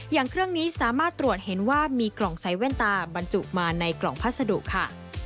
อย่างเครื่องนี้สามารถตรวจเห็นว่ามีกล่องใส่แว่นตาบรรจุมาในกล่องพัสดุค่ะ